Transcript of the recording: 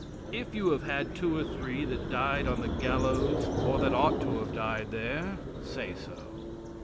If you have had two or three that died on the gallows, or that ought to have died there, say so.